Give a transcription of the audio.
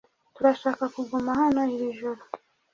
Turashaka kuguma hano iri joro .